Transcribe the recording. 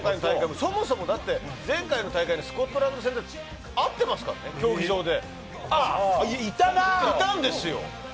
そもそも前回の大会のスコットランド戦で会ってますからね、競技場で。